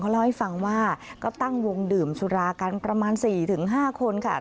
เล่าให้ฟังว่าก็ตั้งวงดื่มสุรากันประมาณ๔๕คนค่ะ